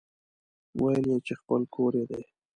ويل يې چې خپل کور يې دی.